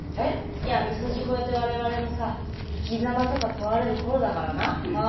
いや三十路超えて我々もさ生きざまとか問われる頃だからなあぁ。